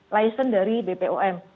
lisen dari bpom